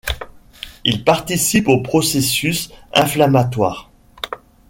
Ils participent aux processus inflammatoires.